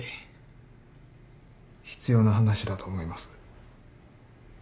必要な話だと思います。